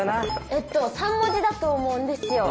えっと３文字だと思うんですよ。